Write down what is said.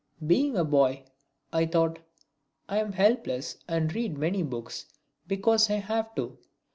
"Being a boy," I thought, "I am helpless and read many books because I have to.